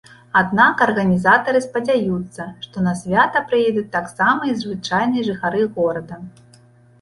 Аднак арганізатары спадзяюцца, што на свята прыедуць таксама і звычайныя жыхары горада.